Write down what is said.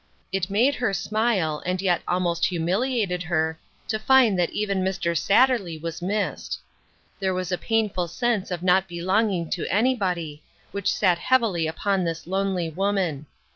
It made her smile, and yet almost humiliated her, to find that even Mr. Satterley was missed. There was a painful sense of not belonging to anybody, which sat heavily upon this lonely woman.